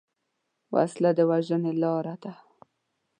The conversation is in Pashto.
وسله د وژنې لاره ده